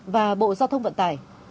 và bộ giao thông vận tải